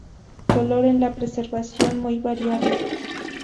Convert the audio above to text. Color en la preservación muy variable.